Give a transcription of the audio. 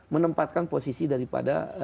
menempatkan posisi daripada